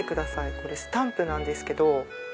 これスタンプなんですけど。